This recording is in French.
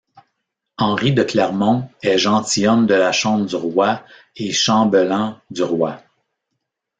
Henri de Clermont est gentilhomme de la chambre du roi et chambellan du roi.